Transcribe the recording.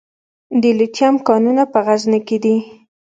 د لیتیم کانونه په غزني کې دي